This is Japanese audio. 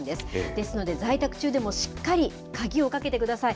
ですので、在宅中でもしっかり鍵をかけてください。